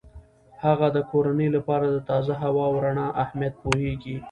هغه د کورنۍ لپاره د تازه هوا او رڼا اهمیت پوهیږي.